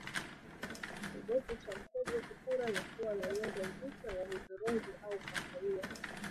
Kibofu cha mkojo kufura na kuwa na nyongo nzito ya hudhurungi au kahawia